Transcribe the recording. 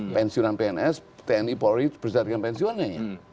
pensiunan pns tni polri bersedia dengan pensiunannya